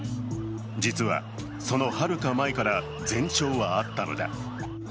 実は、そのはるか前から前兆はあったのだ。